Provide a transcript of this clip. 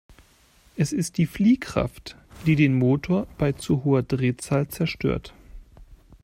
Es ist die Fliehkraft, die den Motor bei zu hoher Drehzahl zerstört.